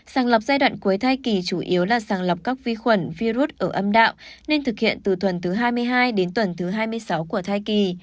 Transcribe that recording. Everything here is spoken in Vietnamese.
sàng lọc giai đoạn cuối thai kỳ chủ yếu là sàng lọc các vi khuẩn virus ở âm đạo nên thực hiện từ tuần thứ hai mươi hai đến tuần thứ hai mươi sáu của thai kỳ